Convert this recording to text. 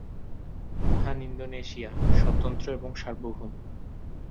মহান ইন্দোনেশিয়া, স্বতন্ত্র এবং সার্বভৌম!